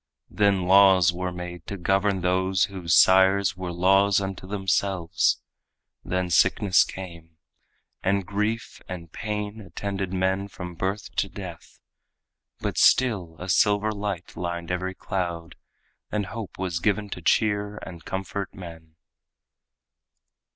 Then laws were made to govern those whose sires Were laws unto themselves. Then sickness came, And grief and pain attended men from birth to death. But still a silver light lined every cloud, And hope was given to cheer and comfort men.